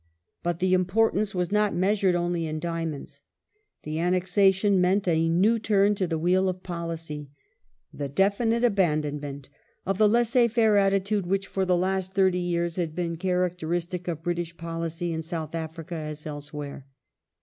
But the importance was not measured only in diamonds. The annexation meant a new turn in the wheel of policy : the de finite abandonment of the laisser faire attitude which for the last thirty years had been characteristic of British policy in South Africa, as elsewhere.